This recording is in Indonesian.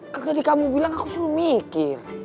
kan tadi kamu bilang aku selalu mikir